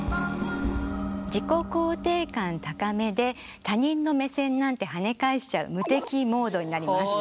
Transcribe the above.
自己肯定感高めで他人の目線なんてはね返しちゃう無敵モードになります。